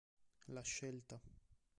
La scelta